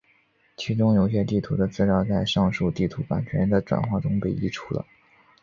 其中有些地图的资料就在上述地图版权的转换中被移除了。